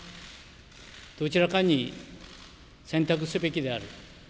どちらかに選択すべきである。